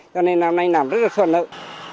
cho nên năm nay làm rất là xuân lợi